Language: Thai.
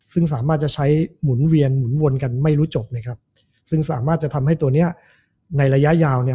ซึ่งสามารถจะใช้หมุนเวียนหมุนวนกันไม่รู้จบนะครับซึ่งสามารถจะทำให้ตัวเนี้ยในระยะยาวเนี่ย